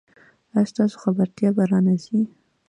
ایا ستاسو خبرتیا به را نه ځي؟